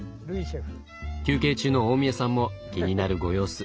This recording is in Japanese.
休憩中の大宮さんも気になるご様子。